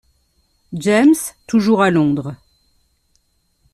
James, toujours à Londres.